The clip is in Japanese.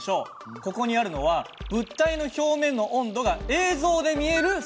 ここにあるのは物体の表面の温度が映像で見える装置です。